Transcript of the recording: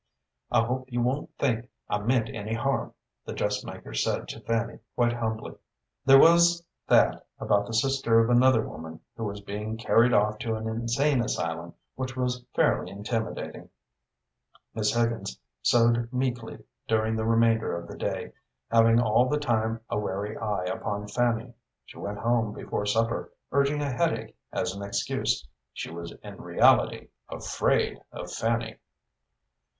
"I hope you won't think I meant any harm," the dressmaker said to Fanny, quite humbly. There was that about the sister of another woman who was being carried off to an insane asylum which was fairly intimidating. Miss Higgins sewed meekly during the remainder of the day, having all the time a wary eye upon Fanny. She went home before supper, urging a headache as an excuse. She was in reality afraid of Fanny.